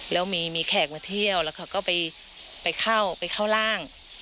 แล้วมีแขกมาเที่ยวแล้วก็เขาก็ไปเข้าร่าง